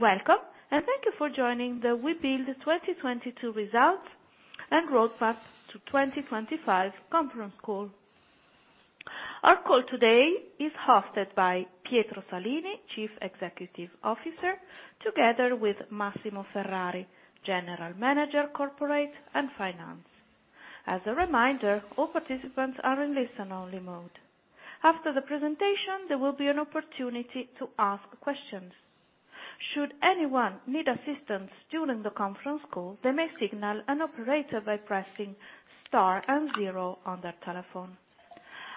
Welcome, thank you for joining the Webuild 2022 Results and Roadmap to 2025 conference call. Our call today is hosted by Pietro Salini, Chief Executive Officer, together with Massimo Ferrari, General Manager Corporate and Finance. As a reminder, all participants are in listen-only mode. After the presentation, there will be an opportunity to ask questions. Should anyone need assistance during the conference call, they may signal an operator by pressing star and zero on their telephone.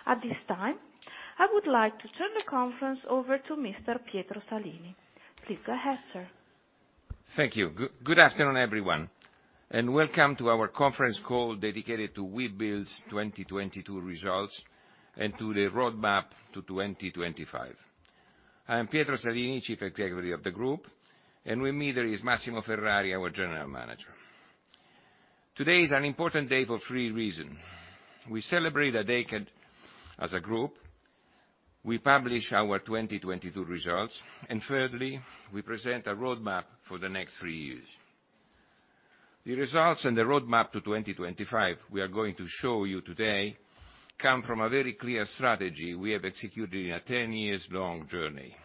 At this time, I would like to turn the conference over to Mr. Pietro Salini. Please go ahead, sir. Thank you. Good afternoon, everyone, welcome to our conference call dedicated to Webuild's 2022 results and to the roadmap to 2025. I am Pietro Salini, Chief Executive of the Group, and with me there is Massimo Ferrari, our General Manager. Today is an important day for three reason. We celebrate a decade as a group. We publish our 2022 results, thirdly, we present a roadmap for the next three years. The results and the roadmap to 2025 we are going to show you today come from a very clear strategy we have executed in a 10 years-long journey.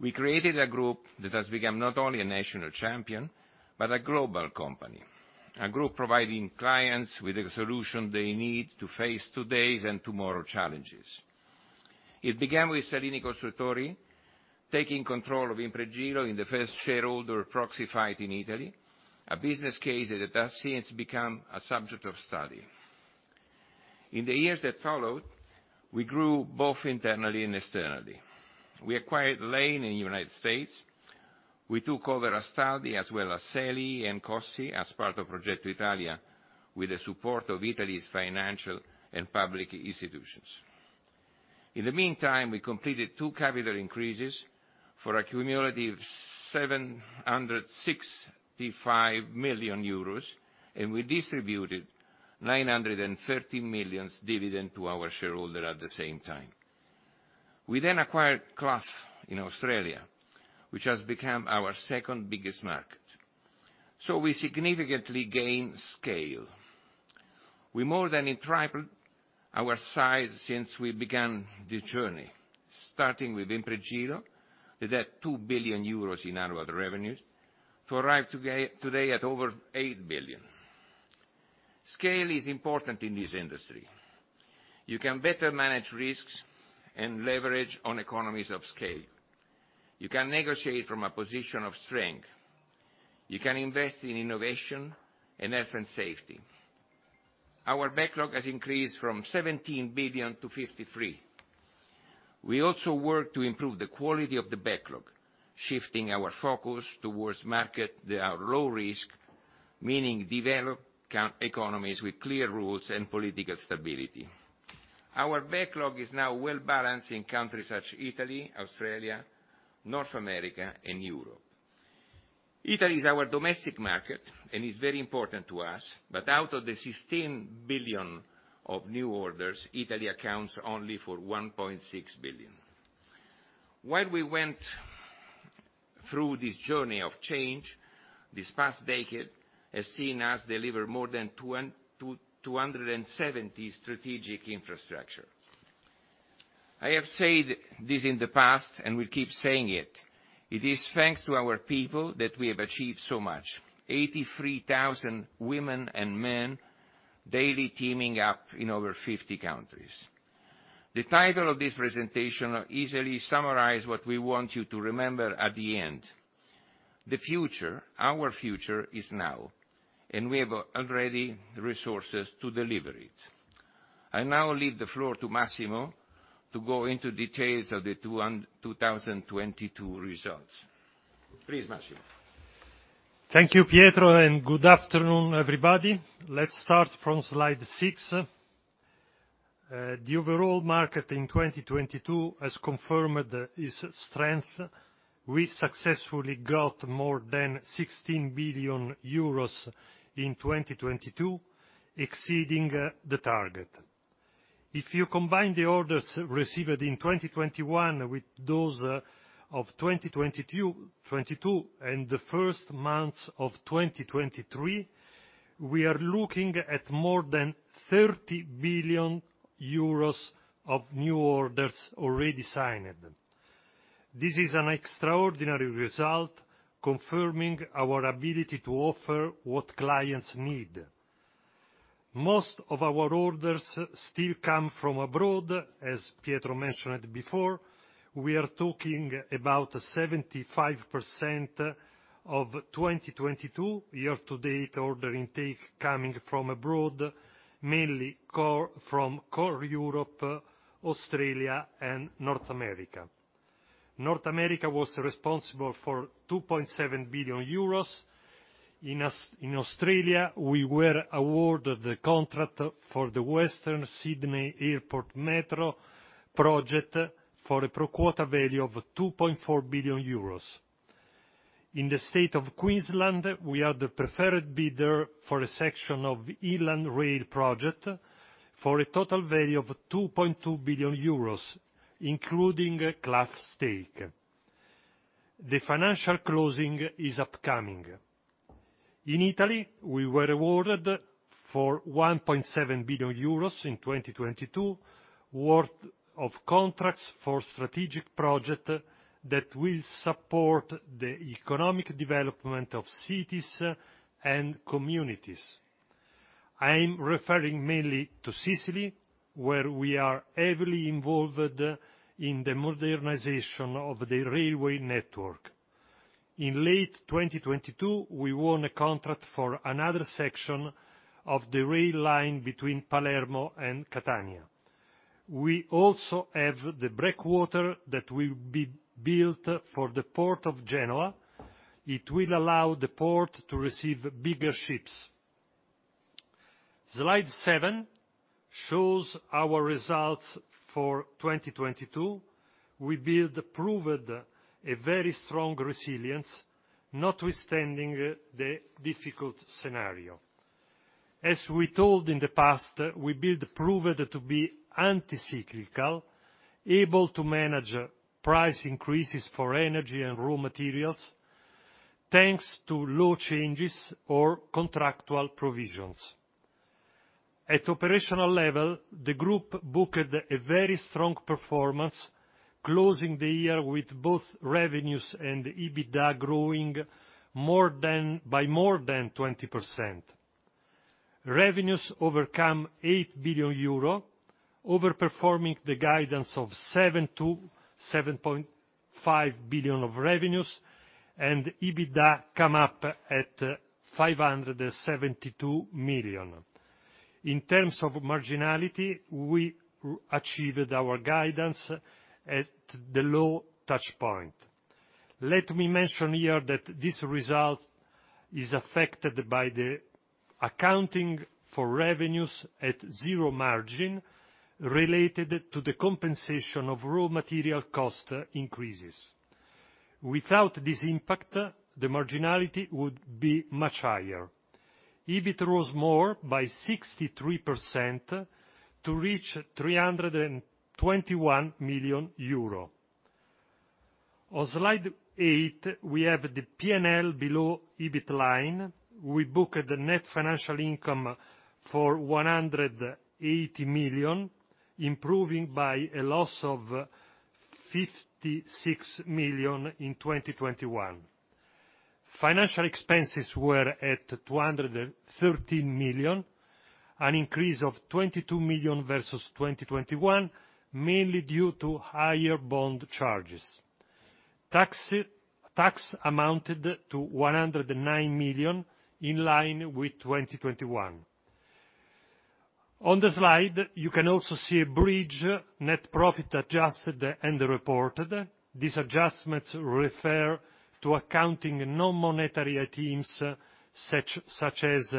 We created a group that has become not only a national champion, but a global company, a group providing clients with a solution they need to face today's and tomorrow challenges. It began with Salini Costruttori taking control of Impregilo in the first shareholder proxy fight in Italy, a business case that has since become a subject of study. In the years that followed, we grew both internally and externally. We acquired Lane in United States. We took over Astaldi, as well as Seli and Cossi as part of Progetto Italia with the support of Italy's financial and public institutions. In the meantime, we completed two capital increases for a cumulative 765 million euros, and we distributed 930 millions dividend to our shareholder at the same time. We acquired Clough in Australia, which has become our second biggest market. We significantly gained scale. We more than tripled our size since we began the journey, starting with Impregilo. With that 2 billion euros in annual revenues to arrive today at over 8 billion. Scale is important in this industry. You can better manage risks and leverage on economies of scale. You can negotiate from a position of strength. You can invest in innovation and health and safety. Our backlog has increased from 17 billion to 53 billion. We also work to improve the quality of the backlog, shifting our focus towards market that are low risk, meaning developed economies with clear rules and political stability. Our backlog is now well-balanced in countries such Italy, Australia, North America, and Europe. Italy is our domestic market and is very important to us. Out of the 16 billion of new orders, Italy accounts only for 1.6 billion. While we went through this journey of change, this past decade has seen us deliver more than 270 strategic infrastructure. I have said this in the past and will keep saying it. It is thanks to our people that we have achieved so much. 83,000 women and men daily teaming up in over 50 countries. The title of this presentation easily summarizes what we want you to remember at the end. The future, our future, is now, and we have already resources to deliver it. I now leave the floor to Massimo to go into details of the 2022 results. Please, Massimo. Thank you, Pietro. Good afternoon, everybody. Let's start from slide six. The overall market in 2022 has confirmed its strength. We successfully got more than 16 billion euros in 2022, exceeding the target. If you combine the orders received in 2021 with those of 2022 and the first months of 2023, we are looking at more than 30 billion euros of new orders already signed. This is an extraordinary result confirming our ability to offer what clients need. Most of our orders still come from abroad, as Pietro mentioned before. We are talking about 75% of 2022 year-to-date order intake coming from abroad, mainly core, from core Europe, Australia, and North America. North America was responsible for 2.7 billion euros. In Australia, we were awarded the contract for the Western Sydney Airport Metro project for a pro quota value of 2.4 billion euros. In the state of Queensland, we are the preferred bidder for a section of the Inland Rail project for a total value of 2.2 billion euros, including Clough stake. The financial closing is upcoming. In Italy, we were awarded for 1.7 billion euros in 2022 worth of contracts for strategic project that will support the economic development of cities and communities. I'm referring mainly to Sicily, where we are heavily involved in the modernization of the railway network. In late 2022, we won a contract for another section of the rail line between Palermo and Catania. We also have the breakwater that will be built for the port of Genoa. It will allow the port to receive bigger ships. Slide seven shows our results for 2022. Webuild proved a very strong resilience notwithstanding the difficult scenario. As we told in the past, Webuild proved to be anti-cyclical, able to manage price increases for energy and raw materials, thanks to law changes or contractual provisions. At operational level, the group booked a very strong performance, closing the year with both revenues and EBITDA growing by more than 20%. Revenues overcome 8 billion euro, overperforming the guidance of 7 billion-7.5 billion of revenues, EBITDA come up at 572 million. In terms of marginality, we achieved our guidance at the low touch point. Let me mention here that this result is affected by the accounting for revenues at zero margin related to the compensation of raw material cost increases. Without this impact, the marginality would be much higher. EBIT rose more by 63% to reach 321 million euro. On slide eight, we have the P&L below EBIT line. We booked the net financial income for 180 million, improving by a loss of 56 million in 2021. Financial expenses were at 213 million, an increase of 22 million versus 2021, mainly due to higher bond charges. Tax amounted to 109 million, in line with 2021. On the slide, you can also see a bridge net profit adjusted and reported. These adjustments refer to accounting non-monetary items such as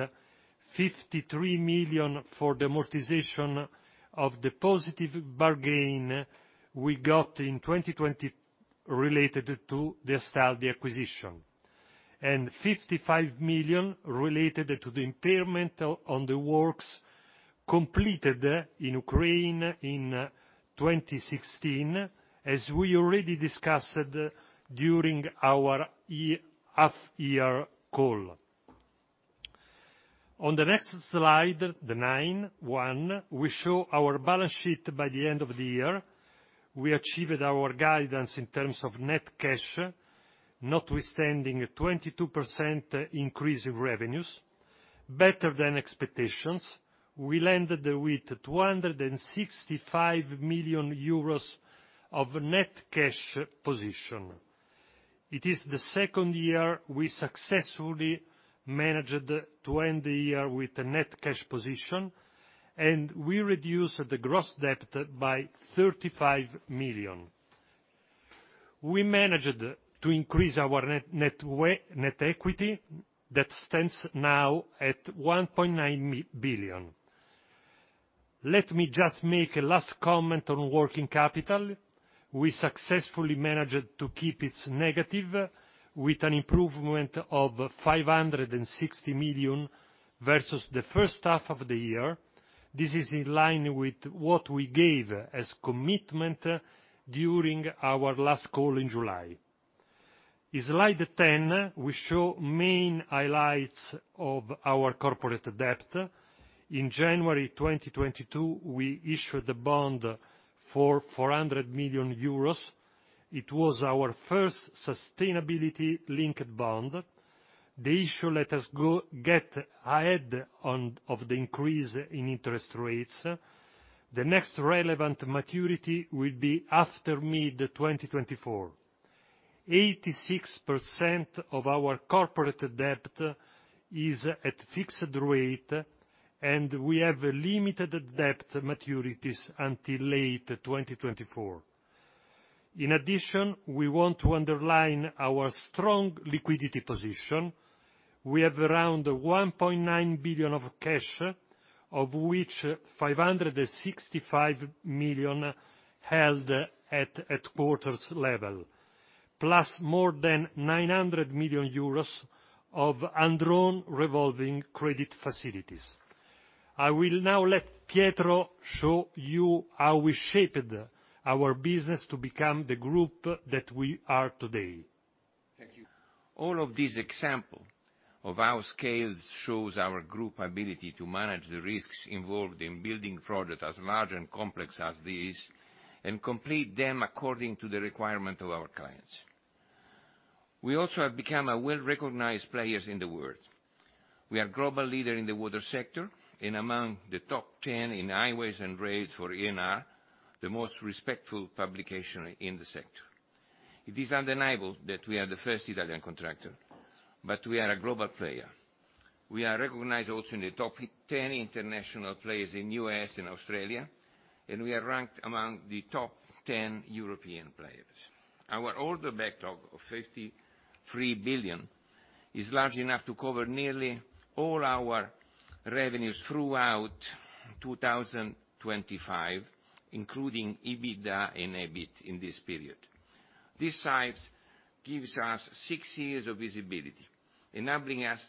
53 million for the amortization of the positive bargain we got in 2020 related to the Astaldi acquisition, and 55 million related to the impairment on the works completed in Ukraine in 2016, as we already discussed during our half-year call. On the next slide, the nine, one, we show our balance sheet by the end of the year. We achieved our guidance in terms of net cash, notwithstanding a 22% increase in revenues, better than expectations. We landed with 265 million euros of net cash position. It is the second year we successfully managed to end the year with a net cash position. We reduced the gross debt by 35 million. We managed to increase our net equity that stands now at 1.9 billion. Let me just make a last comment on working capital. We successfully managed to keep it negative with an improvement of 560 million versus the first half of the year. This is in line with what we gave as commitment during our last call in July. In slide 10, we show main highlights of our corporate debt. In January 2022, we issued a bond for 400 million euros. It was our first sustainability-linked bond. The issue let us get ahead of the increase in interest rates. The next relevant maturity will be after mid 2024. 86% of our corporate debt is at fixed rate, and we have limited debt maturities until late 2024. We want to underline our strong liquidity position. We have around 1.9 billion of cash, of which 565 million held at quarters level, plus more than 900 million euros of undrawn revolving credit facilities. I will now let Pietro show you how we shaped our business to become the group that we are today. Thank you. All of this example of our scales shows our Group ability to manage the risks involved in building projects as large and complex as these, and complete them according to the requirements of our clients. We also have become a well-recognized player in the world. We are global leaders in the water sector, and among the top 10 in highways and rails for ENR, the most respected publication in the sector. It is undeniable that we are the 1st Italian contractor, but we are a global player. We are recognized also in the top 10 international players in U.S. and Australia, and we are ranked among the top 10 European players. Our order backlog of 53 billion is large enough to cover nearly all our revenues throughout 2025, including EBITDA and EBIT in this period. This slide gives us six years of visibility, enabling us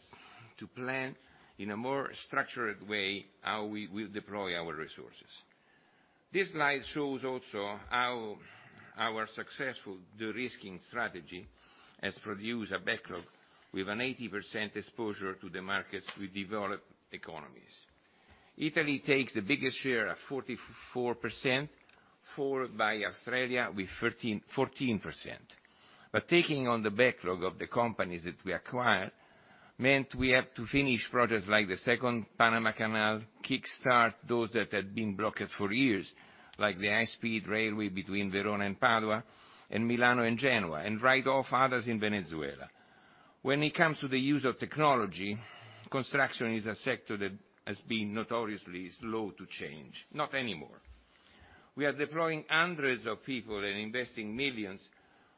to plan in a more structured way how we will deploy our resources. This slide shows also how our successful de-risking strategy has produced a backlog with an 80% exposure to the markets with developed economies. Italy takes the biggest share of 44%, followed by Australia with 13%-14%. Taking on the backlog of the companies that we acquired meant we have to finish projects like the second Panama Canal, kickstart those that had been blocked for years, like the high-speed railway between Verona and Padua and Milano and Genoa, and write off others in Venezuela. When it comes to the use of technology, construction is a sector that has been notoriously slow to change. Not anymore. We are deploying hundreds of people and investing millions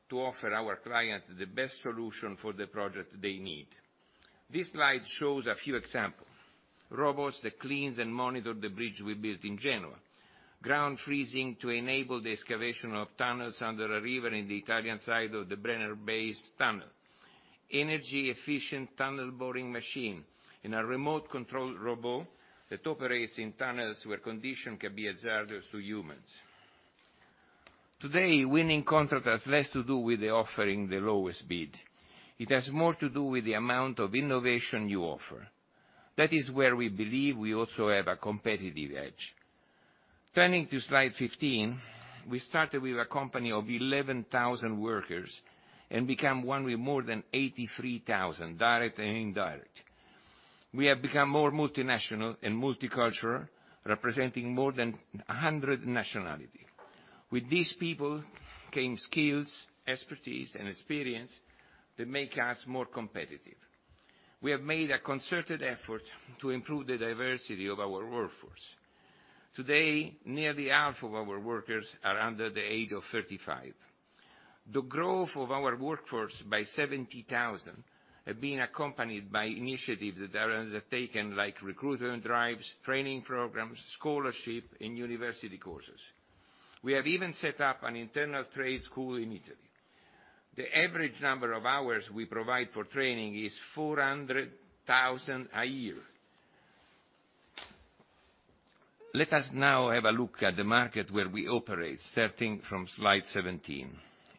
to offer our clients the best solution for the project they need. This slide shows a few examples. Robots that cleans and monitor the bridge we built in Genoa. Ground freezing to enable the excavation of tunnels under a river in the Italian side of the Brenner Base Tunnel. Energy-efficient tunnel boring machine and a remote-controlled robot that operates in tunnels where conditions can be hazardous to humans. Today, winning contract has less to do with the offering the lowest bid. It has more to do with the amount of innovation you offer. That is where we believe we also have a competitive edge. Turning to slide 15, we started with a company of 11,000 workers and become one with more than 83,000, direct and indirect. We have become more multinational and multicultural, representing more than 100 nationality. With these people came skills, expertise, and experience that make us more competitive. We have made a concerted effort to improve the diversity of our workforce. Today, nearly half of our workers are under the age of 35. The growth of our workforce by 70,000 have been accompanied by initiatives that are undertaken like recruitment drives, training programs, scholarship, and university courses. We have even set up an internal trade school in Italy. The average number of hours we provide for training is 400,000 a year. Let us now have a look at the market where we operate, starting from slide 17.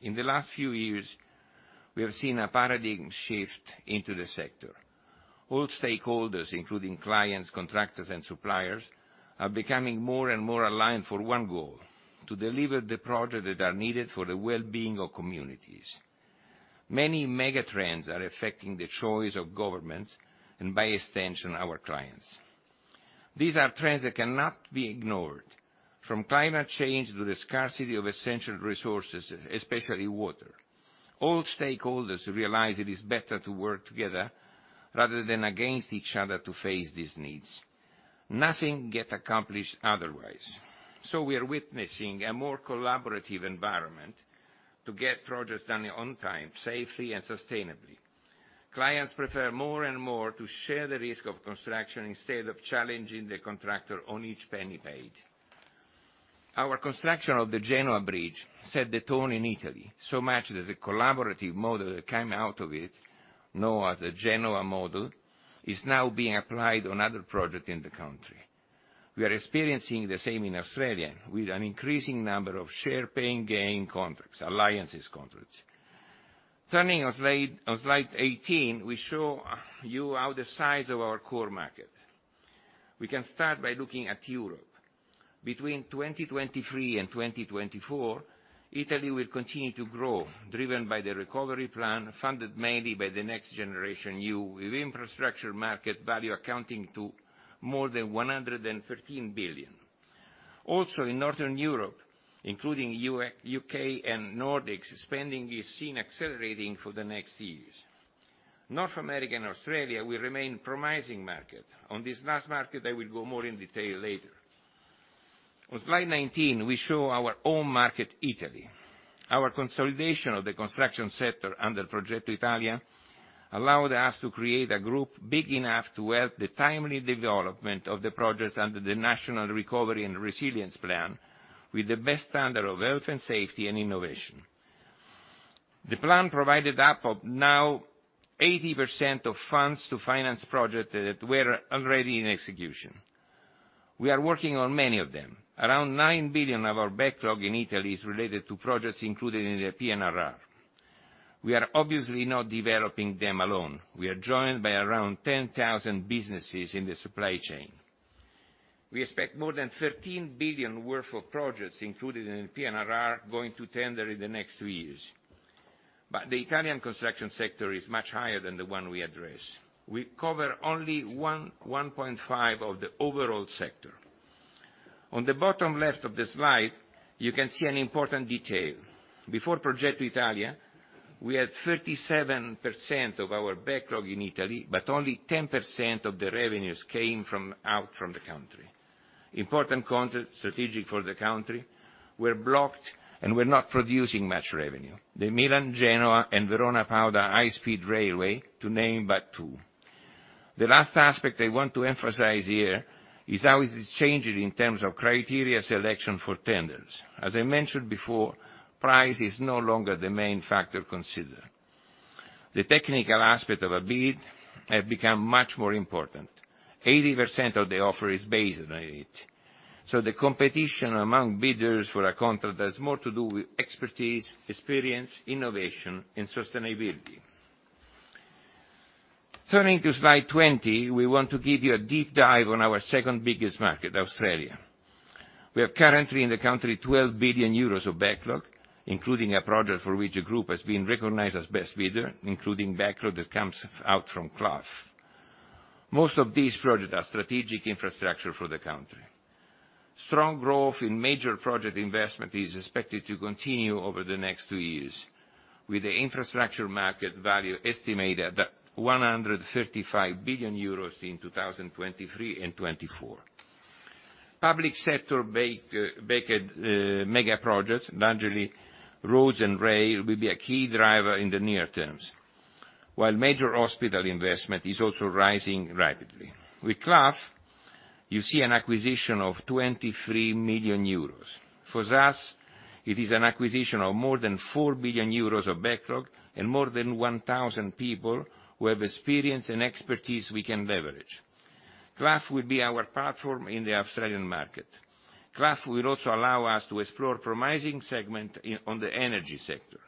In the last few years, we have seen a paradigm shift into the sector. All stakeholders, including clients, contractors, and suppliers, are becoming more and more aligned for one goal: to deliver the projects that are needed for the well-being of communities. Many mega trends are affecting the choice of governments, by extension, our clients. These are trends that cannot be ignored, from climate change to the scarcity of essential resources, especially water. All stakeholders realize it is better to work together rather than against each other to face these needs. Nothing gets accomplished otherwise. We are witnessing a more collaborative environment to get projects done on time, safely and sustainably. Clients prefer more and more to share the risk of construction instead of challenging the contractor on each penny paid. Our construction of the Genoa Bridge set the tone in Italy, so much that the collaborative model that came out of it, known as the Genoa Model, is now being applied on other projects in the country. We are experiencing the same in Australia with an increasing number of share pain-gain contracts, alliance contracts. Turning on slide 18, we show you how the size of our core market. We can start by looking at Europe. Between 2023 and 2024, Italy will continue to grow, driven by the recovery plan funded mainly by the next generation, with infrastructure market value accounting to more than 113 billion. In Northern Europe, including U.S., U.K. and Nordics, spending is seen accelerating for the next years. North America and Australia will remain promising market. On this last market, I will go more in detail later. On slide 19, we show our own market, Italy. Our consolidation of the construction sector under Progetto Italia allowed us to create a group big enough to help the timely development of the projects under the National Recovery and Resilience Plan, with the best standard of health and safety and innovation. The plan provided up of now 80% of funds to finance project that were already in execution. We are working on many of them. Around 9 billion of our backlog in Italy is related to projects included in the PNRR. We are obviously not developing them alone. We are joined by around 10,000 businesses in the supply chain. We expect more than 13 billion worth of projects included in PNRR going to tender in the next two years. The Italian construction sector is much higher than the one we address. We cover only 1%, 1.5% of the overall sector. On the bottom left of the slide, you can see an important detail. Before Progetto Italia, we had 37% of our backlog in Italy, but only 10% of the revenues came from out from the country. Important contract strategic for the country were blocked and were not producing much revenue. The Milan, Genoa, and Verona-Padua high-speed railway, to name but two. The last aspect I want to emphasize here is how it is changing in terms of criteria selection for tenders. As I mentioned before, price is no longer the main factor considered. The technical aspect of a bid have become much more important. 80% of the offer is based on it. The competition among bidders for a contract has more to do with expertise, experience, innovation, and sustainability. Turning to slide 20, we want to give you a deep dive on our second biggest market, Australia. We have currently in the country 12 billion euros of backlog, including a project for which the group has been recognized as best bidder, including backlog that comes out from Clough. Most of these projects are strategic infrastructure for the country. Strong growth in major project investment is expected to continue over the next two years, with the infrastructure market value estimated at 135 billion euros in 2023 and 2024. Public sector backed mega-projects, largely roads and rail, will be a key driver in the near terms, while major hospital investment is also rising rapidly. With Clough, you see an acquisition of 23 million euros. For us, it is an acquisition of more than 4 billion euros of backlog and more than 1,000 people who have experience and expertise we can leverage. Clough will be our platform in the Australian market. Clough will also allow us to explore promising segment on the energy sector.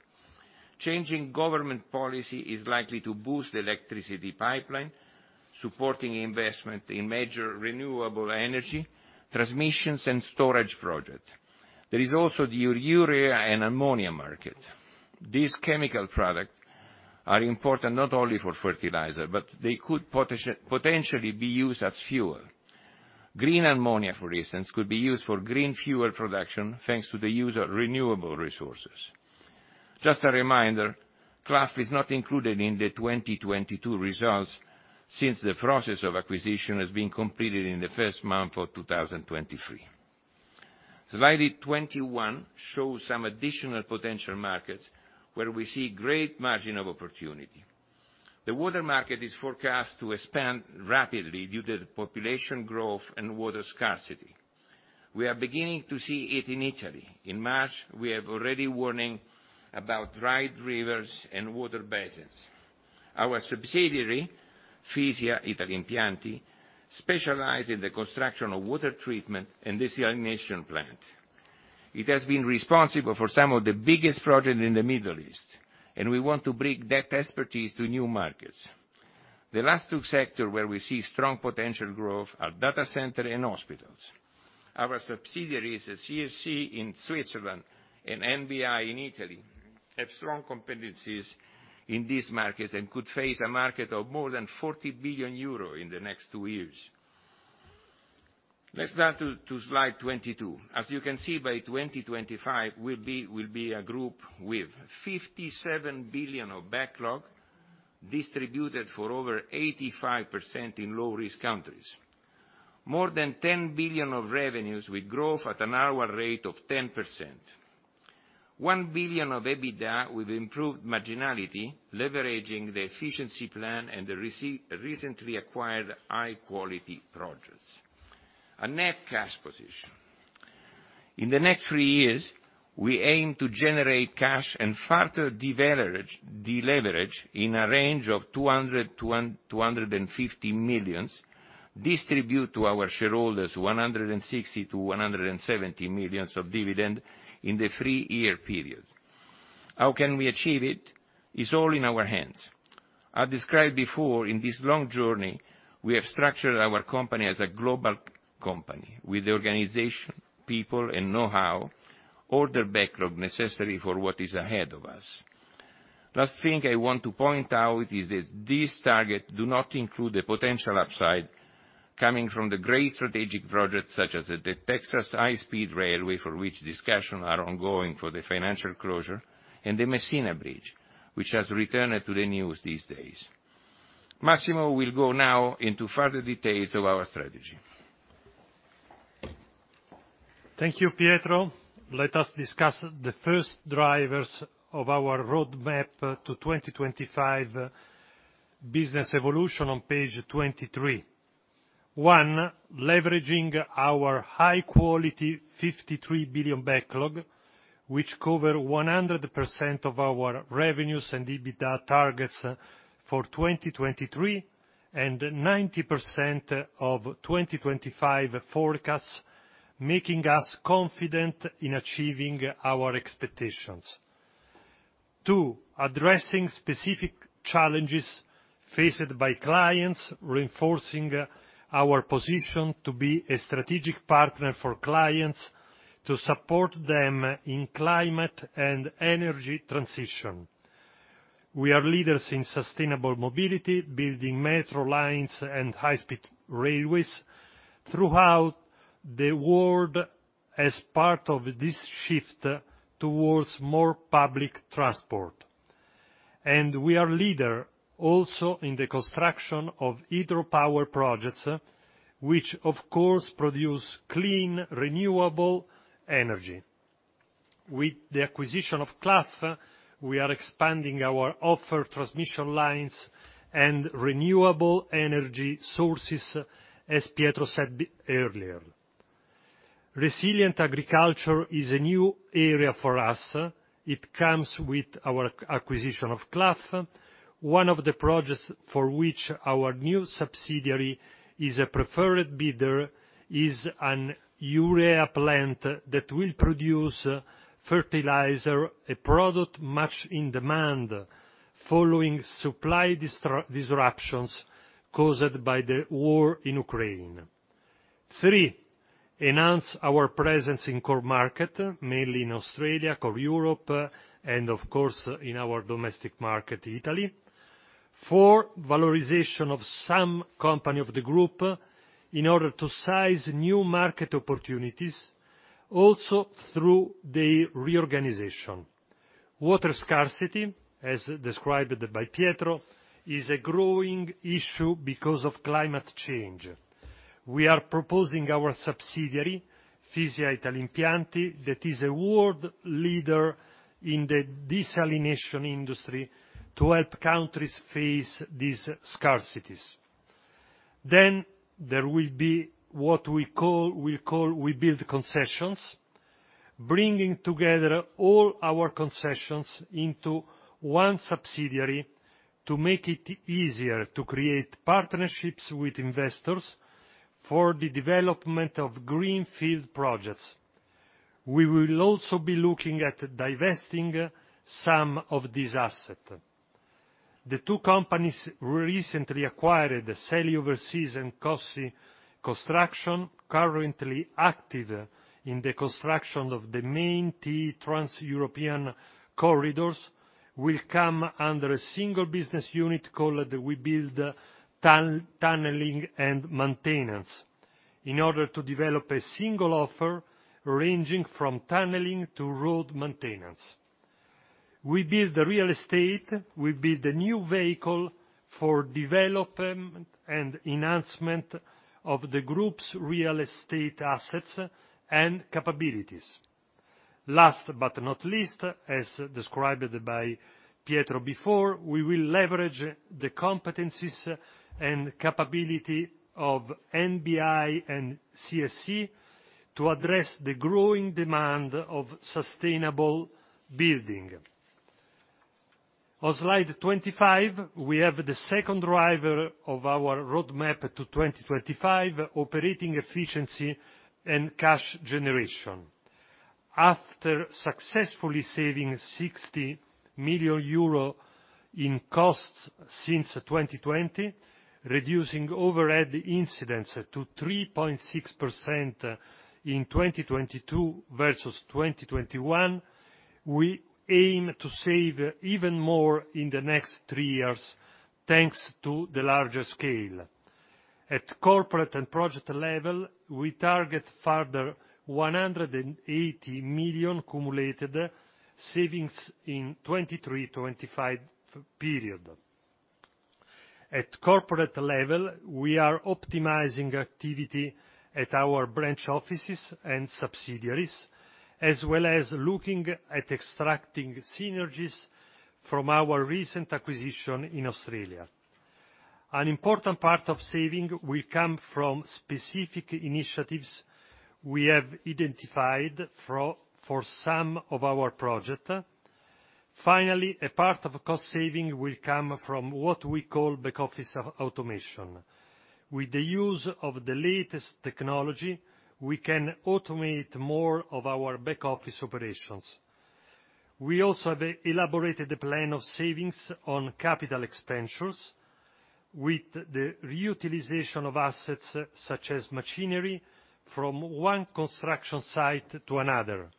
Changing government policy is likely to boost electricity pipeline, supporting investment in major renewable energy, transmissions, and storage project. There is also the urea and ammonia market. These chemical product are important not only for fertilizer, but they could potentially be used as fuel. Green ammonia, for instance, could be used for green fuel production, thanks to the use of renewable resources. Just a reminder, Clough is not included in the 2022 results, since the process of acquisition has been completed in the first month of 2023. Slide 21 shows some additional potential markets where we see great margin of opportunity. The water market is forecast to expand rapidly due to the population growth and water scarcity. We are beginning to see it in Italy. In March, we have already warning about dried rivers and water basins. Our subsidiary, Fisia Italimpianti, specialize in the construction of water treatment and desalination plant. It has been responsible for some of the biggest project in the Middle East. We want to bring that expertise to new markets. The last two sector where we see strong potential growth are data center and hospitals. Our subsidiaries, CSC in Switzerland and NBI in Italy, have strong competencies in these markets and could face a market of more than 40 billion euro in the next two years. Let's turn to slide 22. As you can see, by 2025, we'll be a group with 57 billion of backlog distributed for over 85% in low-risk countries. More than 10 billion of revenues, with growth at an annual rate of 10%. 1 billion of EBITDA with improved marginality, leveraging the efficiency plan and the recently acquired high quality projects. A net cash position. In the next three years, we aim to generate cash and further deleverage in a range of 200 million-250 million, distribute to our shareholders 160 million-170 million of dividend in the three-year period. How can we achieve it? It's all in our hands. I described before, in this long journey, we have structured our company as a global company, with the organization, people, and know-how, order backlog necessary for what is ahead of us. Last thing I want to point out is that these target do not include the potential upside coming from the great strategic projects such as the Texas High-Speed Railway, for which discussions are ongoing for the financial closure, and the Messina Bridge, which has returned to the news these days. Massimo will go now into further details of our strategy. Thank you, Pietro. Let us discuss the first drivers of our roadmap to 2025 business evolution on page 23. One, leveraging our high quality 53 billion backlog, which cover 100% of our revenues and EBITDA targets for 2023, and 90% of 2025 forecasts, making us confident in achieving our expectations. Two, addressing specific challenges faced by clients, reinforcing our position to be a strategic partner for clients to support them in climate and energy transition. We are leaders in sustainable mobility, building metro lines and high speed railways throughout the world as part of this shift towards more public transport. We are leader also in the construction of hydropower projects, which of course produce clean, renewable energy. With the acquisition of Clough, we are expanding our offer transmission lines and renewable energy sources, as Pietro said earlier. Resilient agriculture is a new area for us. It comes with our acquisition of Clough. One of the projects for which our new subsidiary is a preferred bidder is an urea plant that will produce fertilizer, a product much in demand following supply disruptions caused by the war in Ukraine. Three, enhance our presence in core market, mainly in Australia, core Europe, and of course, in our domestic market, Italy. Four, valorization of some company of the group in order to seize new market opportunities also through the reorganization. Water scarcity, as described by Pietro, is a growing issue because of climate change. We are proposing our subsidiary, Fisia Italimpianti, that is a world leader in the desalination industry, to help countries face these scarcities. There will be what we call Webuild Concessions, bringing together all our concessions into one subsidiary to make it easier to create partnerships with investors for the development of greenfield projects. We will also be looking at divesting some of this asset. The two companies we recently acquired, the Seli Overseas and Cossi Costruzioni, currently active in the construction of the main T, Trans-European corridors, will come under a single business unit called Webuild Tunnelling & Maintenance, in order to develop a single offer ranging from tunneling to road maintenance. Webuild Real Estate, Webuild a new vehicle for development and enhancement of the group's real estate assets and capabilities. Last but not least, as described by Pietro before, we will leverage the competencies and capability of NBI and CSC to address the growing demand of sustainable building. On slide 25, we have the second driver of our roadmap to 2025, operating efficiency and cash generation. After successfully saving 60 million euro in costs since 2020, reducing overhead incidence to 3.6% in 2022 versus 2021, we aim to save even more in the next three years, thanks to the larger scale. At corporate and project level, we target further 180 million cumulated savings in 2023-2025 period. At corporate level, we are optimizing activity at our branch offices and subsidiaries, as well as looking at extracting synergies from our recent acquisition in Australia. An important part of saving will come from specific initiatives we have identified for some of our project. Finally, a part of cost saving will come from what we call back office automation. With the use of the latest technology, we can automate more of our back office operations. We also have elaborated a plan of savings on capital expenditures with the reutilization of assets such as machinery from one construction site to another,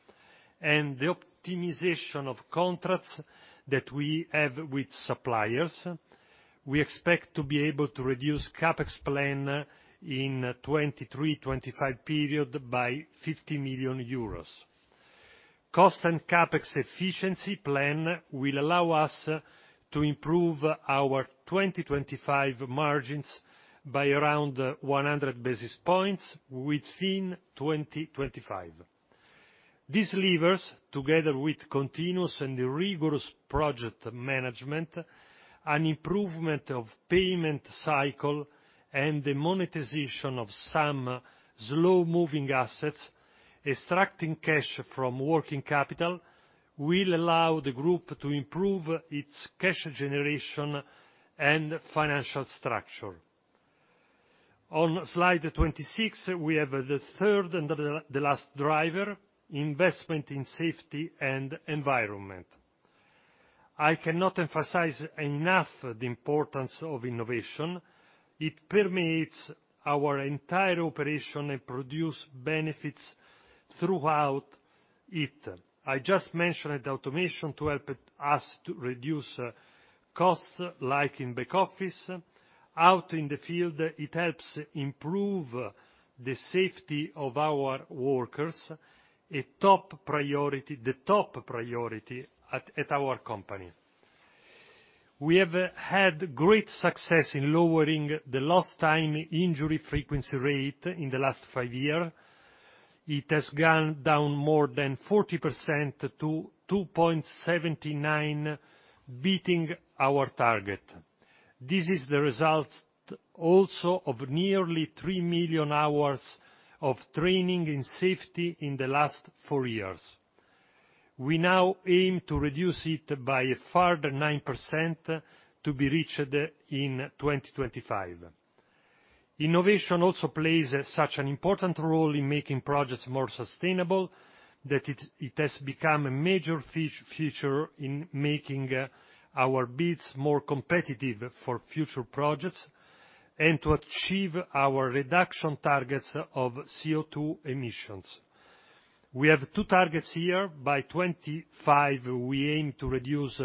and the optimization of contracts that we have with suppliers. We expect to be able to reduce CapEx plan in 2023-2025 period by 50 million euros. Cost and CapEx efficiency plan will allow us to improve our 2025 margins by around 100 basis points within 2025. These levers, together with continuous and rigorous project management, an improvement of payment cycle, and the monetization of some slow moving assets, extracting cash from working capital, will allow the group to improve its cash generation and financial structure. On slide 26, we have the third and the last driver, investment in safety and environment. I cannot emphasize enough the importance of innovation. It permeates our entire operation and produce benefits throughout it. I just mentioned automation to help us to reduce costs like in back office. Out in the field, it helps improve the safety of our workers, a top priority, the top priority at our company. We have had great success in lowering the lost time injury frequency rate in the last five years. It has gone down more than 40% to 2.79, beating our target. This is the result also of nearly 3 million hours of training in safety in the last four years. We now aim to reduce it by a further 9% to be reached in 2025. Innovation also plays such an important role in making projects more sustainable that it has become a major feature in making our bids more competitive for future projects and to achieve our reduction targets of CO2 emissions. We have two targets here. By 2025, we aim to reduce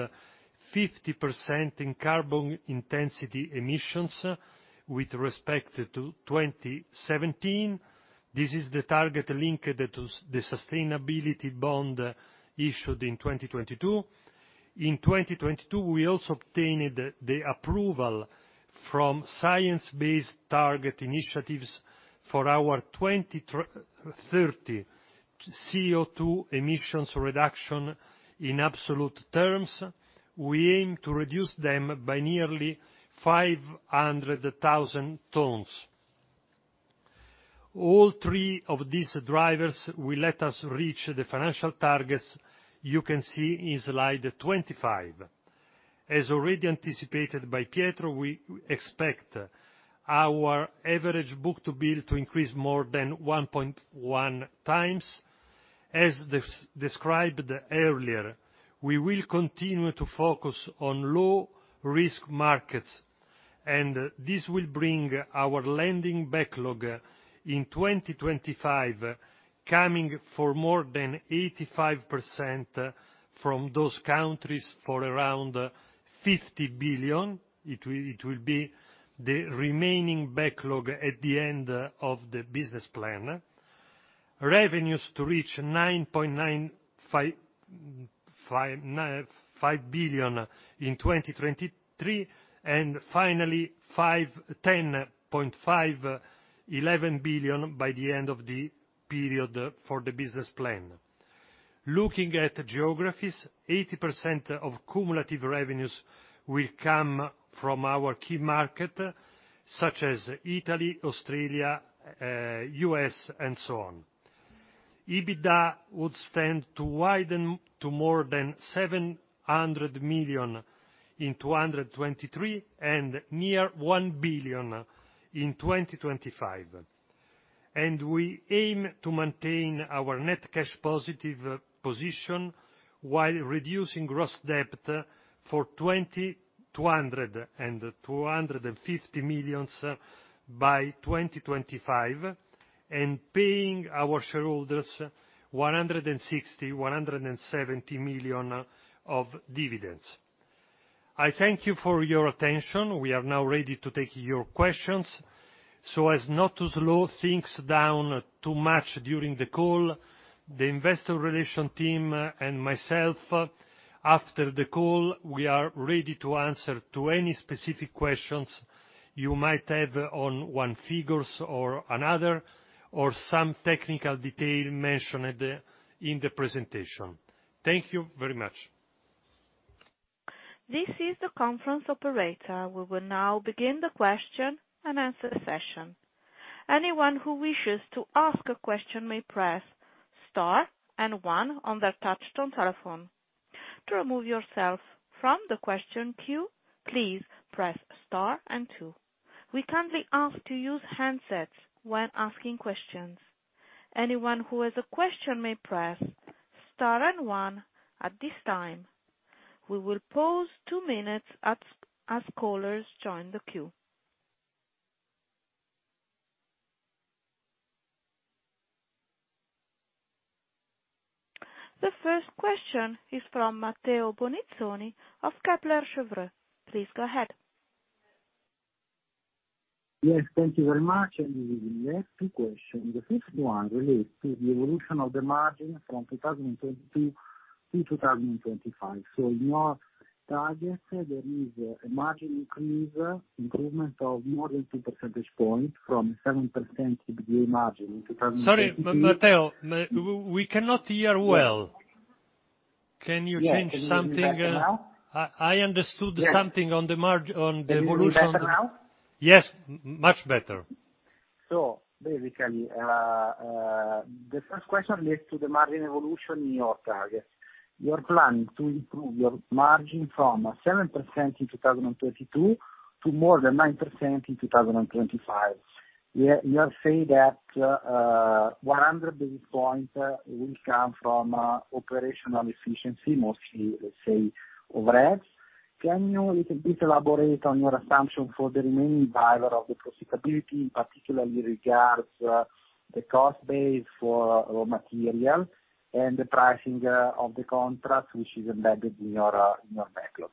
50% in carbon intensity emissions with respect to 2017. This is the target linked to the sustainability bond issued in 2022. In 2022, we also obtained the approval from Science Based Targets initiative for our 2030 CO2 emissions reduction in absolute terms. We aim to reduce them by nearly 500,000 tons. All three of these drivers will let us reach the financial targets you can see in slide 25. As already anticipated by Pietro, we expect our average book-to-bill to increase more than 1.1 times. As described earlier, we will continue to focus on low risk markets, and this will bring our landing backlog in 2025, coming for more than 85% from those countries for around 50 billion. It will be the remaining backlog at the end of the business plan. Revenues to reach 9.95 billion in 2023, finally 10.5-11 billion by the end of the period for the business plan. Looking at geographies, 80% of cumulative revenues will come from our key market, such as Italy, Australia, U.S., and so on. EBITDA would stand to widen to more than 700 million in 2023, and near 1 billion in 2025. We aim to maintain our net cash positive position while reducing gross debt for 200-250 million by 2025, paying our shareholders 160-170 million of dividends. I thank you for your attention. We are now ready to take your questions. As not to slow things down too much during the call, the investor relation team and myself, after the call, we are ready to answer to any specific questions you might have on one figures or another or some technical detail mentioned in the presentation. Thank you very much. This is the conference operator. We will now begin the question and answer session. Anyone who wishes to ask a question may press star and one on their touch-tone telephone. To remove yourself from the question queue, please press star and two. We kindly ask to use handsets when asking questions. Anyone who has a question may press star and one at this time. We will pause two minutes as callers join the queue. The first question is from Matteo Bonizzoni of Kepler Cheuvreux. Please go ahead. Yes, thank you very much. We will have two questions. The first one relates to the evolution of the margin from 2022 to 2025. In your target there is a margin increase, improvement of more than 2 percentage points from 7% EBITDA margin in 2022. Sorry, Matteo, we cannot hear well. Can you change something? Yeah, can you hear better now? I understood something on the margin, on the evolution. Can you hear better now? Yes, much better. Basically, the first question relates to the margin evolution in your target. You are planning to improve your margin from 7% in 2022 to more than 9% in 2025. You have said that 100 basis points will come from operational efficiency, mostly overheads. Can you please elaborate on your assumption for the remaining driver of the profitability, particularly regards the cost base for raw material and the pricing of the contract which is embedded in your in your backlog.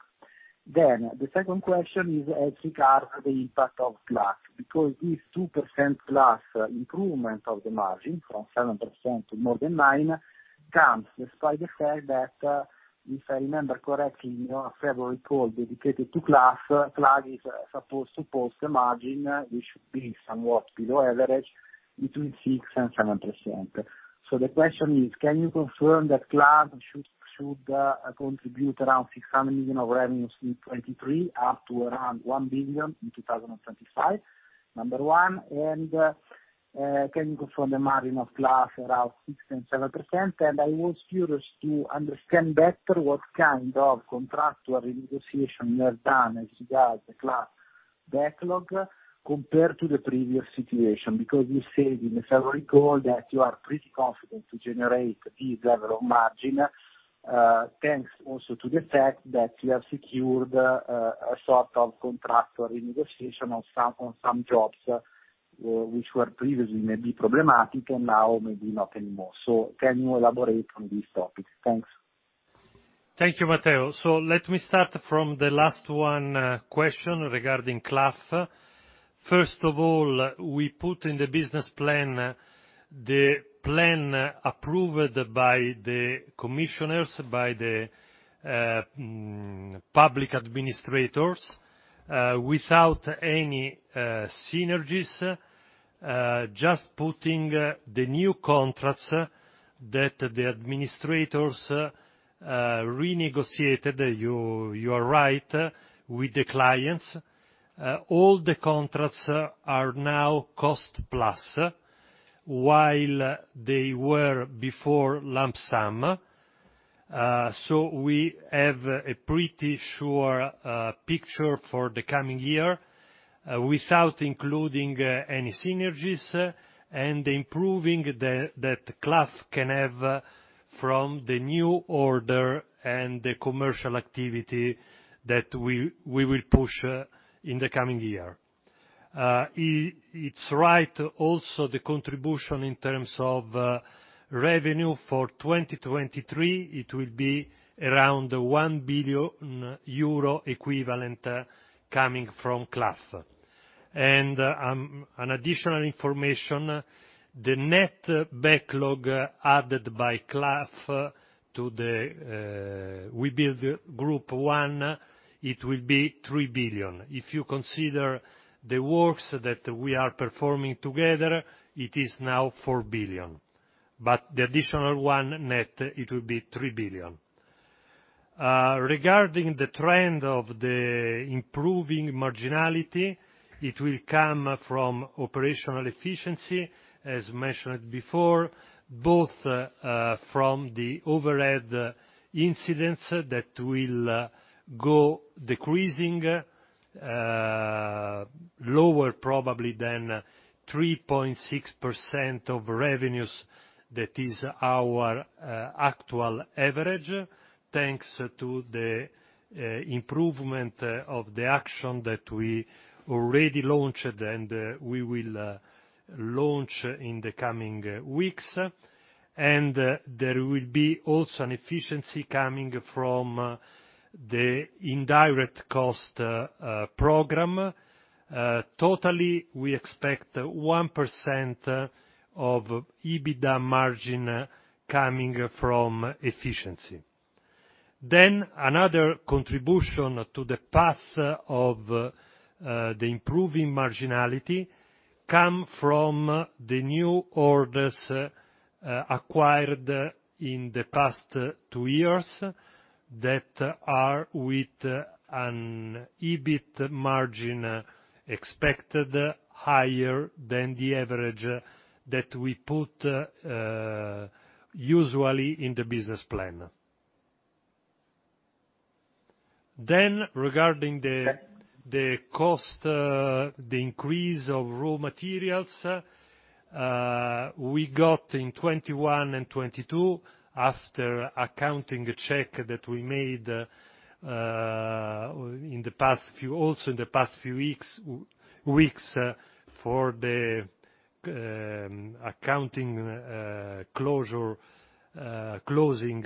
The second question is as regards the impact of Clough, because this 2% Clough improvement of the margin from 7% to more than 9% comes despite the fact that, if I remember correctly, in your February call dedicated to Clough is supposed to post a margin which should be somewhat below average between 6% and 7%. The question is, can you confirm that Clough should contribute around 600 million of revenues in 2023, up to around 1 billion in 2025? Number one. Can you confirm the margin of Clough around 6% and 7%? I was curious to understand better what kind of contractual renegotiation you have done as regards the Clough backlog compared to the previous situation. You said in the February call that you are pretty confident to generate this level of margin, thanks also to the fact that you have secured a sort of contractual renegotiation on some jobs, which were previously maybe problematic and now maybe not anymore. Can you elaborate on this topic? Thanks. Thank you, Matteo. Let me start from the last one, question regarding Clough. First of all, we put in the business plan the plan approved by the commissioners, by the public administrators, without any synergies, just putting the new contracts that the administrators renegotiated, you are right, with the clients. All the contracts are now cost-plus, while they were before lump sum. We have a pretty sure picture for the coming year without including any synergies, and improving that Clough can have from the new order and the commercial activity that we will push in the coming year. It's right also the contribution in terms of revenue for 2023, it will be around 1 billion euro equivalent, coming from Clough. An additional information, the net backlog added by Clough to the Webuild Group, it will be 3 billion. If you consider the works that we are performing together, it is now 4 billion, but the additional one net, it will be 3 billion. Regarding the trend of the improving marginality, it will come from operational efficiency, as mentioned before, both from the overhead incidents that will go decreasing, lower probably than 3.6% of revenues. That is our actual average, thanks to the improvement of the action that we already launched and we will launch in the coming weeks. There will be also an efficiency coming from the indirect cost program. Totally, we expect 1% of EBITDA margin coming from efficiency. Another contribution to the path of the improving marginality come from the new orders acquired in the past two years that are with an EBIT margin expected higher than the average that we put usually in the business plan. Regarding the cost, the increase of raw materials, we got in 21 and 22 after accounting check that we made in the past few weeks for the accounting closure, closing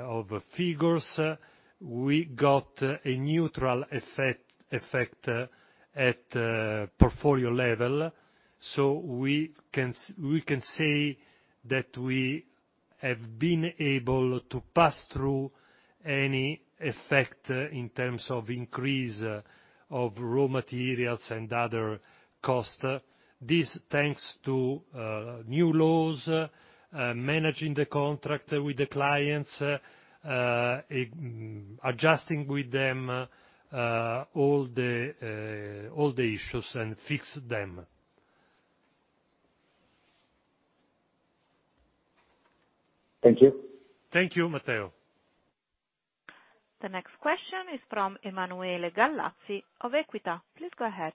of figures, we got a neutral effect at portfolio level, so we can say that we have been able to pass through any effect in terms of increase of raw materials and other costs. This thanks to, new laws, managing the contract with the clients, adjusting with them, all the issues and fix them. Thank you. Thank you, Matteo. The next question is from Emanuele Gallazzi of Equita. Please go ahead.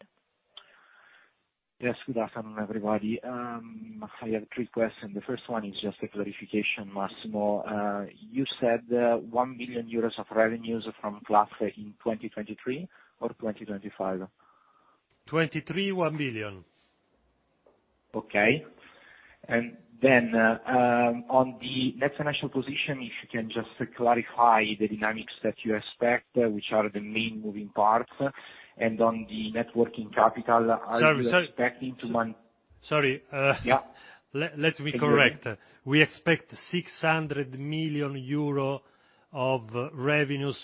Yes. Good afternoon, everybody. I have three questions. The first one is just a clarification. Massimo, you said 1 million euros of revenues from Clough in 2023 or 2025? 23, EUR 1 million. Okay. Then, on the net financial position, if you can just clarify the dynamics that you expect, which are the main moving parts, and on the net working capital are you expecting to? Sorry. Yeah. Let me correct. We expect 600 million euro of revenues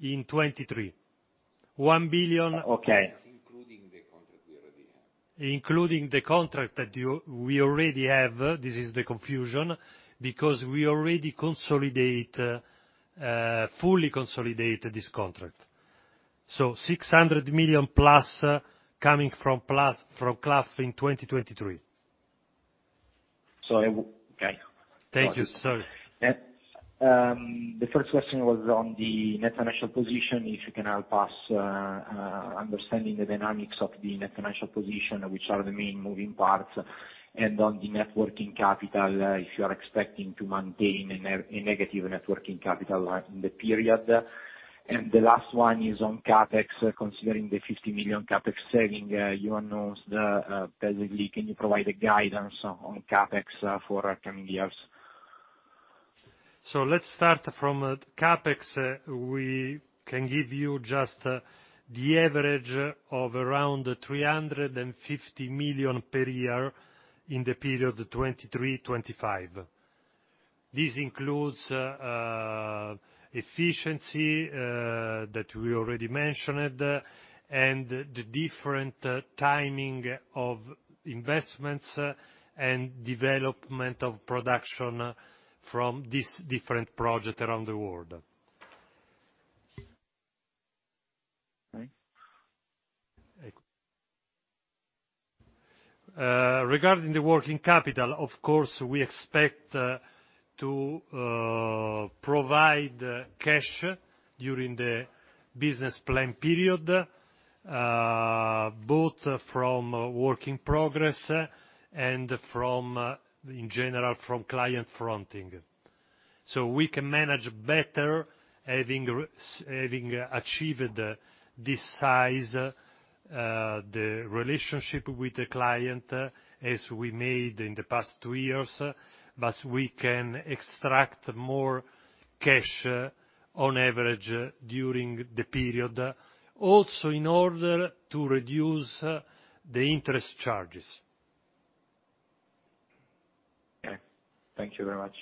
in 2023. Okay. Including the contract that you we already have. This is the confusion. We already consolidate, fully consolidated this contract. 600 million plus coming from Clough in 2023. Okay. Thank you. Sorry. Yeah. The first question was on the net financial position. If you can help us understanding the dynamics of the net financial position, which are the main moving parts? On the net working capital, if you are expecting to maintain a negative net working capital in the period. The last one is on CapEx, considering the 50 million CapEx saving, you announced, basically, can you provide a guidance on CapEx for upcoming years? Let's start from CapEx. We can give you just the average of around 350 million per year in the period 2023-2025. This includes efficiency that we already mentioned, and the different timing of investments and development of production from this different project around the world. All right. Regarding the working capital, of course, we expect to provide cash during the business plan period, both from working progress and from, in general, from client fronting. We can manage better having achieved this size, the relationship with the client as we made in the past two years, but we can extract more cash on average during the period, also in order to reduce the interest charges. Okay. Thank you very much.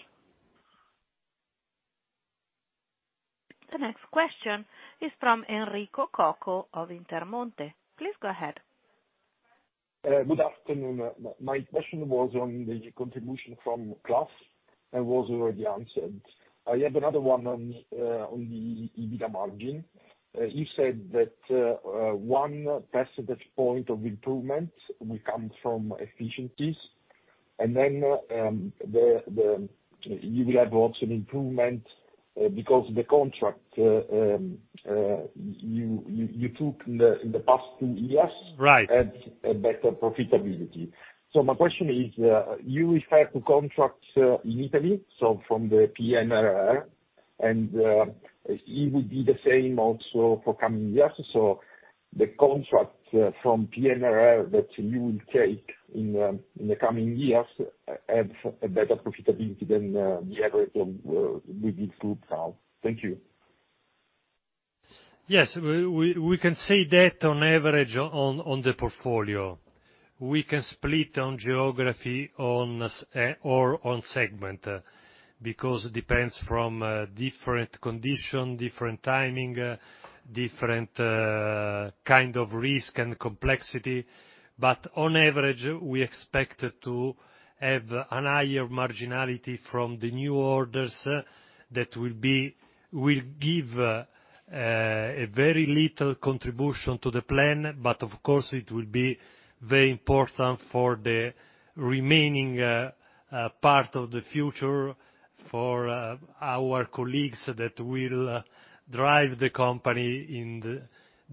The next question is from Enrico Coco of Intermonte. Please go ahead. Good afternoon. My question was on the contribution from Clough and was already answered. I have another one on the EBITDA margin. You said that 1 percentage point of improvement will come from efficiencies, then you will have also an improvement because the contract you took in the past two years- Right ...had a better profitability. My question is, you refer to contracts in Italy, from the PNRR and it would be the same also for coming years. The contract from PNRR that you will take in the coming years has a better profitability than the average of the mid-group now. Thank you. Yes. We can say that on average on the portfolio. We can split on geography on segment, because it depends from different condition, different timing, different kind of risk and complexity. On average, we expect to have an higher marginality from the new orders that will give a very little contribution to the plan. Of course, it will be very important for the remaining part of the future for our colleagues that will drive the company in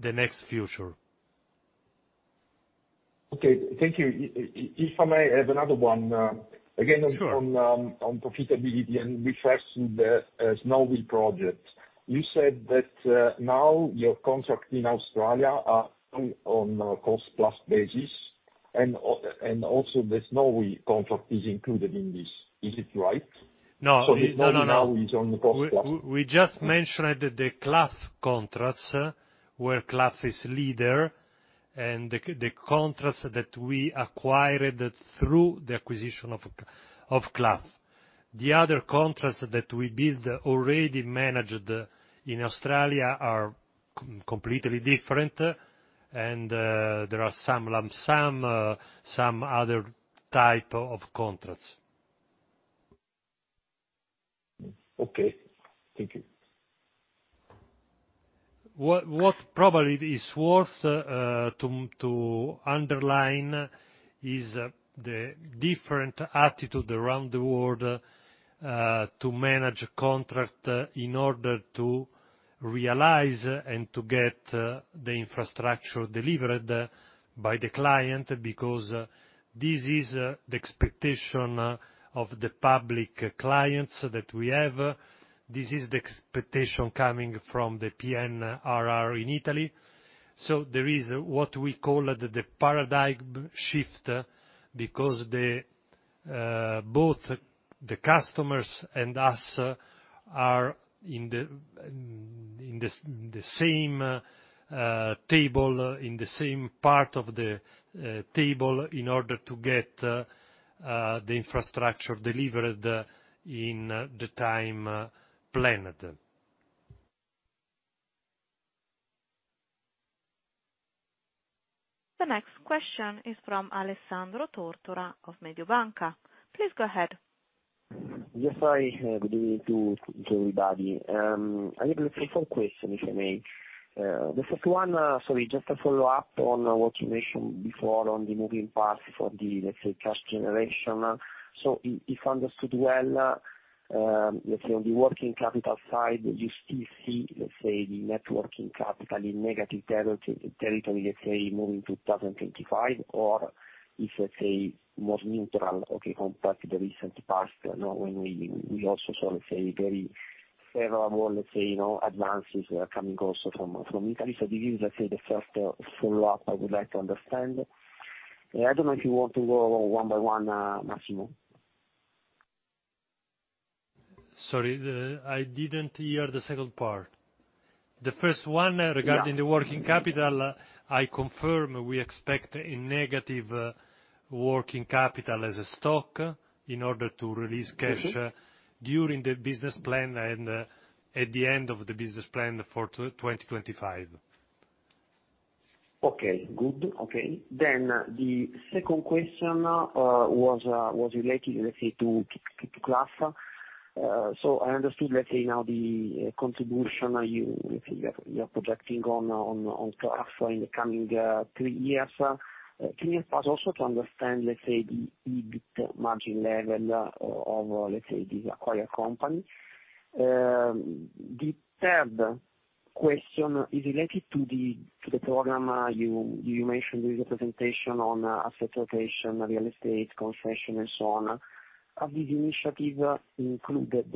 the next future. Okay. Thank you. If I may, I have another one, again. Sure on profitability and referring the Snowy project. You said that, now your contract in Australia are on a cost-plus basis. Also the Snowy contract is included in this. Is it right? No. The snow now is on the cost-plus. We just mentioned the Clough contracts, where Clough is leader, and the contracts that we acquired through the acquisition of Clough. The other contracts that Webuild already managed in Australia are completely different, and there are some lump sum, some other type of contracts. Okay. Thank you. What probably is worth to underline is the different attitude around the world to manage contract in order to realize and to get the infrastructure delivered by the client, because this is the expectation of the public clients that we have. This is the expectation coming from the PNRR in Italy. There is what we call the paradigm shift, because both the customers and us are in the same table, in the same part of the table in order to get the infrastructure delivered in the time planned. The next question is from Alessandro Tortora of Mediobanca. Please go ahead. Yes. Sorry. Good evening to everybody. I have three, four question, if I may. The first one, it's just a follow-up on what you mentioned before on the moving parts for the, let's say, cash generation. If understood well, let's say on the working capital side, you still see, let's say, the networking capital in negative territory, let's say, moving to 2025, or if, let's say, more neutral, okay, compared to the recent past, you know, when we also saw, let's say, very favorable, let's say, you know, advances coming also from Italy. This is, let's say, the first follow-up I would like to understand. I don't know if you want to go one by one, Massimo. Sorry, I didn't hear the second part. The first one regarding the working capital, I confirm we expect a negative working capital as a stock in order to release cash- Mm-hmm. during the business plan and at the end of the business plan for 2025. Okay, good. Okay. The second question was related, let's say, to Clough. I understood, let's say now the contribution you're projecting on Clough for in the coming three years. Can you help us also to understand, let's say, the EBIT margin level of, let's say, the acquired company? The third question is related to the program you mentioned the presentation on asset rotation, real estate, concession and so on. Are these initiatives included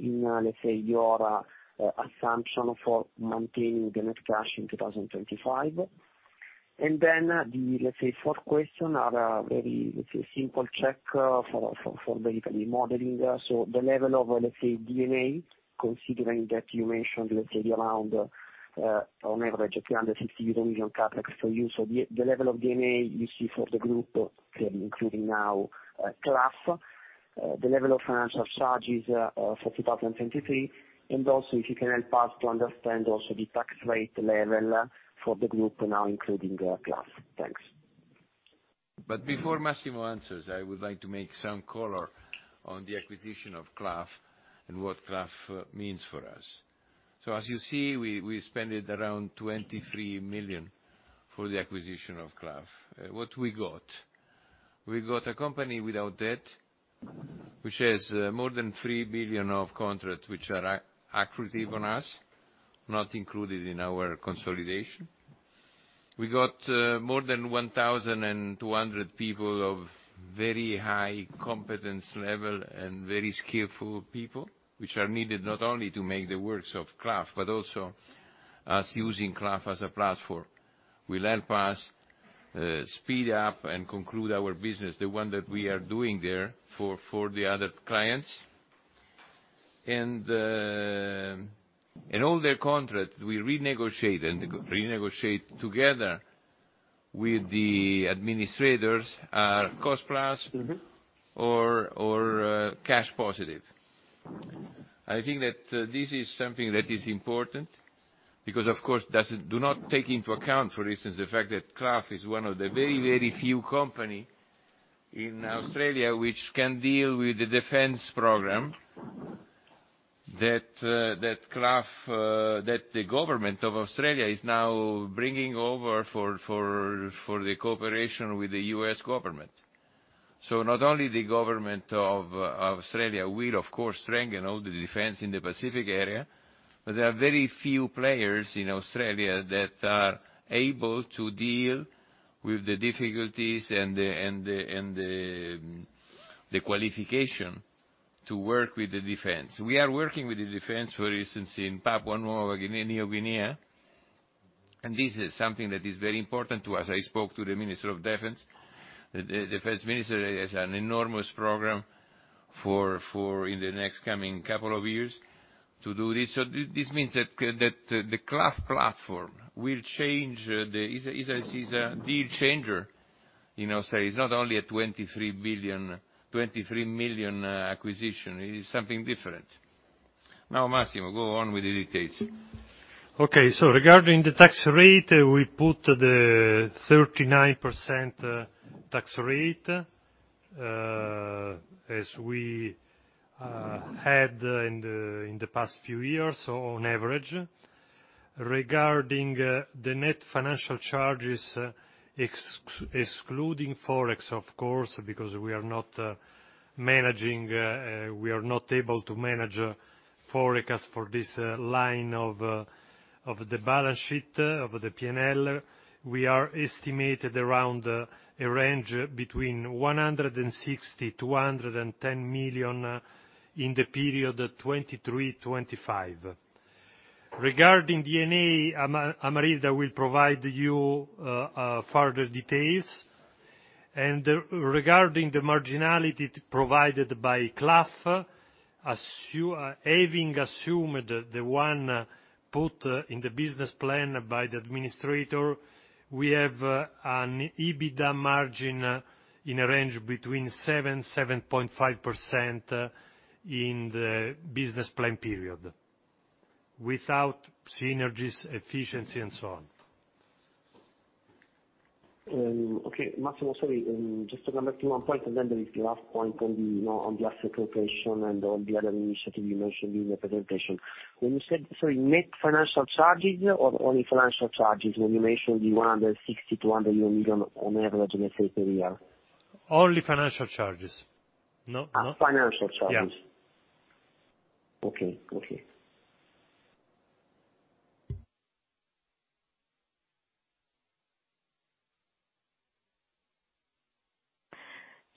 in, let's say, your assumption for maintaining the net cash in 2025? The, let's say, fourth question are a very, let's say, simple check for the Italy modeling. The level of, let's say, D&A, considering that you mentioned, let's say, the around on average 350 million CapEx for you. The level of D&A you see for the group, including now Clough, the level of financial charges for 2023, and also if you can help us to understand also the tax rate level for the group now including Clough. Thanks? Before Massimo answers, I would like to make some color on the acquisition of Clough and what Clough means for us. As you see, we spent around 23 million for the acquisition of Clough. What we got? We got a company without debt, which has more than 3 billion of contracts which are accretive on us, not included in our consolidation. We got more than 1,200 people of very high competence level and very skillful people, which are needed not only to make the works of Clough, but also us using Clough as a platform. Will help us speed up and conclude our business, the one that we are doing there for the other clients. All their contracts we renegotiate and renegotiate together with the administrators are cost-plus. Mm-hmm. or, cash positive. I think that this is something that is important because of course, do not take into account, for instance, the fact that Clough is one of the very, very few company in Australia which can deal with the defense program that Clough that the government of Australia is now bringing over for the cooperation with the U.S. government. Not only the government of Australia will of course strengthen all the defense in the Pacific area, but there are very few players in Australia that are able to deal with the difficulties and the qualification to work with the defense. We are working with the defense, for instance, in Papua New Guinea. This is something that is very important to us. I spoke to the Minister of Defense. The Defense Minister has an enormous program for in the next coming couple of years to do this. This means that the Clough platform will change the. It is a game changer, you know. It's not only a 23 million acquisition, it is something different. Now, Massimo, go on with the details. Regarding the tax rate, we put the 39% tax rate as we had in the past few years on average. Regarding the net financial charges, excluding Forex, of course, because we are not managing, we are not able to manage Forex for this line of the balance sheet, of the P&L. We are estimated around a range between 160 million to 110 million in the period 2023, 2025. Regarding D&A, Amarilla will provide you further details. Regarding the marginality provided by Clough, having assumed the one put in the business plan by the administrator, we have an EBITDA margin in a range between 7%-7.5% in the business plan period without synergies, efficiency and so on. Okay, Massimo, sorry, just to come back to one point, and then the last point on the, you know, on the asset location and all the other initiatives you mentioned in your presentation. When you said, sorry, net financial charges or only financial charges when you mentioned the 160 million-100 million on average let's say per year? Only financial charges. No, no. Financial charges. Yeah. Okay. Okay.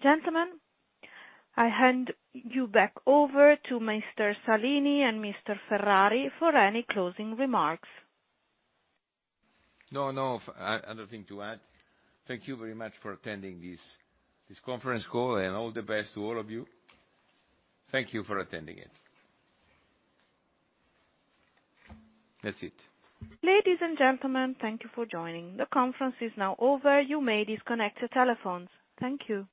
Gentlemen, I hand you back over to Mr. Salini and Mr. Ferrari for any closing remarks. No, no, other thing to add. Thank you very much for attending this conference call, and all the best to all of you. Thank you for attending it. That's it. Ladies and gentlemen, thank you for joining. The conference is now over. You may disconnect your telephones. Thank you.